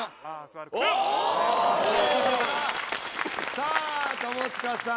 さあ友近さん